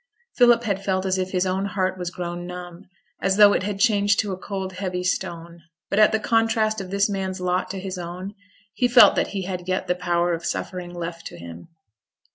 Philip had felt as if his own heart was grown numb, and as though it had changed to a cold heavy stone. But at the contrast of this man's lot to his own, he felt that he had yet the power of suffering left to him.